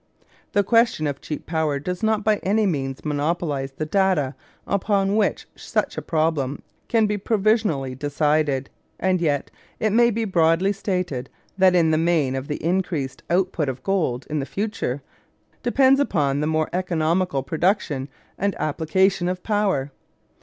The question of cheap power does not by any means monopolise the data upon which such a problem can be provisionally decided; and yet it may be broadly stated that in the main the increased output of gold in the future depends upon the more economical production and application of power.